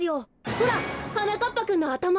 ほらはなかっぱくんのあたま。